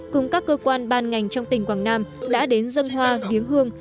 cùng các cơ quan ban ngành trong tỉnh quảng nam đã đến dân hoa viếng hương